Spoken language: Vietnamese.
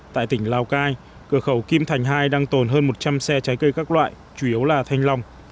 tại tỉnh lào cai cửa khẩu kim thành hai đang tồn hơn một trăm linh xe trái cây các loại chủ yếu là thanh long